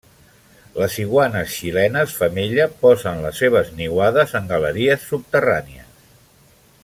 Les iguanes xilenes femella posen les seves niuades en galeries subterrànies.